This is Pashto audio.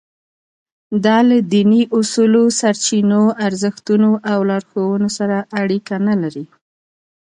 دا له دیني اصولو، سرچینو، ارزښتونو او لارښوونو سره اړیکه نه لري.